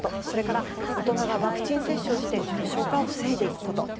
それから大人がワクチン接種して重症化を防いでいくこと。